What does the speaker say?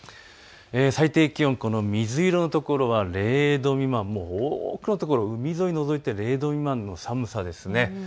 最低気温、水色の所が０度未満、多くのところ、海沿いを除いて０度未満の寒さです。